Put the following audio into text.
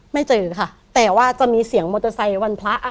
ไม่เจอค่ะแต่ว่าจะมีเสียงมอเตอร์ไซค์วันพระ